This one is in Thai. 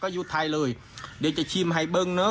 แยะจั๊ย